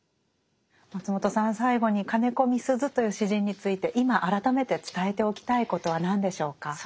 松本さん最後に金子みすゞという詩人について今改めて伝えておきたいことは何でしょうか？